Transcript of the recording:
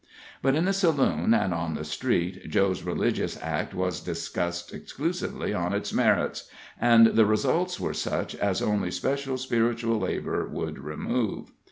But in the saloon and on the street Joe's religious act was discussed exclusively on its merits, and the results were such as only special spiritual labor would remove.